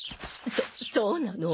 そそうなの？